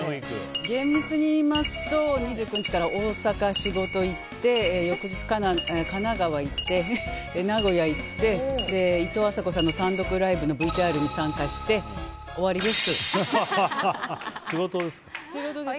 厳密にいいますと２９日から大阪仕事行って翌日、神奈川行って名古屋行っていとうあさこさんの単独ライブのＶＴＲに参加して終わりです。